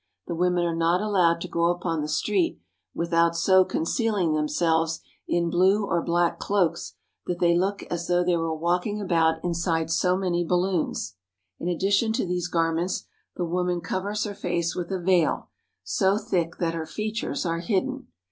The women are not allowed to go upon the street without so con cealing themselves in blue or black cloaks that they look as though they were walking about inside so many balloons. In addition to these garments, the woman covers her face with a veil, so thick that her features are hidden.